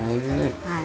はい。